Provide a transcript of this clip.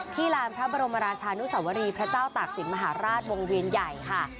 ลานพระบรมราชานุสวรีพระเจ้าตากศิลปมหาราชวงเวียนใหญ่ค่ะ